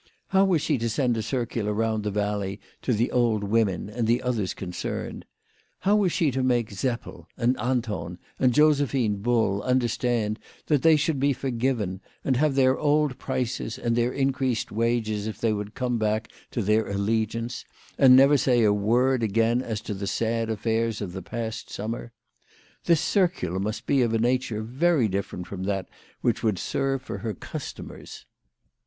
How was she to send a circular round the valley to the old women and the others concerned ? How was she to make Seppel, and Anton, and Josephine Bull understand that they should be forgiven, and have their old prices and their in creased wages if they would come back to their alle giance, and never say a word again as to the sad affairs of the past summer ? This circular must be of a nature very different from that which would serve for her customers.